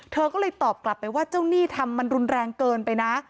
เธอก็เลยตอบกลับไปว่าเจ้าหนี้ทำมันรุนแรงเกินไปนะ